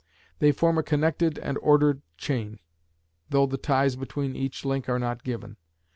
They form a connected and ordered chain, though the ties between each link are not given.